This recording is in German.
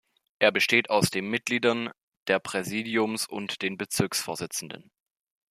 Er besteht aus dem Mitgliedern der Präsidiums und den Bezirksvorsitzenden.